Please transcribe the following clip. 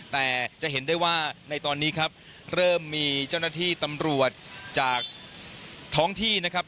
แต่จะเห็นได้ว่าในตอนนี้ครับเริ่มมีเจ้าหน้าที่ตำรวจจากท้องที่นะครับ